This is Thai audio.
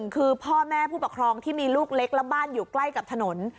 คือพ่อแม่ผู้ปกครองที่มีลูกเล็กและบ้านอยู่ใกล้กับถนน